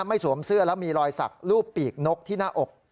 สวมเสื้อแล้วมีรอยสักรูปปีกนกที่หน้าอก